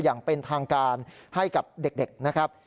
อย่างเป็นทางการให้กับเด็กนะครับ